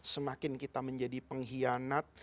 semakin kita menjadi pengkhianat